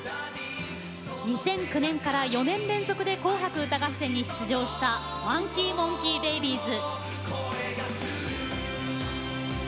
２００９年から４年連続で「紅白歌合戦」に出場したＦＵＮＫＹＭＯＮＫＥＹＢΛＢＹ’Ｓ。